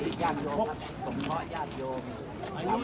พี่พ่อกลับไปชะเทศนะพี่พ่อกลับไปชะเทศนะ